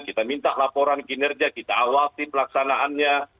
kita minta laporan kinerja kita awasi pelaksanaannya